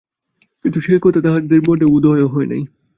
কিন্তু সে কথা তাহার মনে উদয়ও হয় নাই।